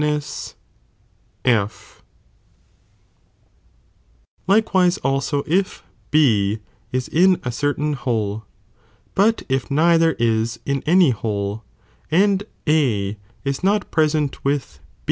^ Likewise also if B is in a certain whole, but if neither is in any whole, and A is not present with is not*A,'i?